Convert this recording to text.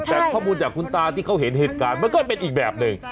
แต่ข้อมูลจากคุณตาที่เขาเห็นเหตุการณ์มันก็เป็นอีกแบบหนึ่ง